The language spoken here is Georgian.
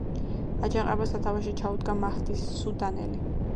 აჯანყებას სათავეში ჩაუდგა მაჰდი სუდანელი.